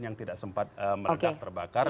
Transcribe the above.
yang tidak sempat meledak terbakar